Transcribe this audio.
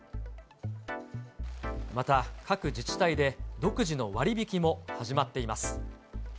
また、各自治体で独自の割引も始まっています。